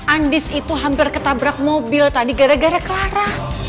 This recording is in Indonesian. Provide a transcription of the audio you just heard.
andis itu hampir ketabrak mobil tadi gara gara kelarang